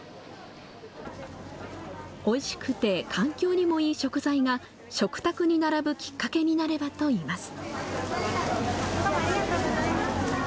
おいしくて環境にもいい食材が食卓に並ぶきっかけになればといいます。